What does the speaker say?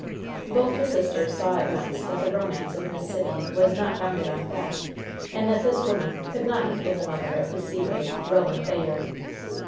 Both the sisters saw at once that the romance of Miss Sibby was not founded on fact, and that this woman could not have been the mother of the sea waif, Roland Bayard.